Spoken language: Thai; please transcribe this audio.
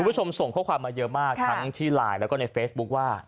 คุณผู้ชมส่งข้อความมาเยอะมากทั้งที่ไลน์แล้วก็ในเฟซบุ๊คว่า